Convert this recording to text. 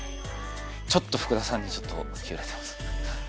ちょっと福田さんにちょっと揺れてます。